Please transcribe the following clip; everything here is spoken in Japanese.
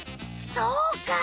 そうか。